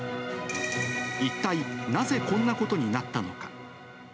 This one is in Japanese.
一体なぜこんなことになったのか。